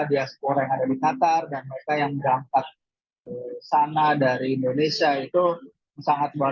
di aspor yang ada di qatar